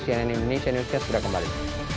cnn indonesia newscast segera kembali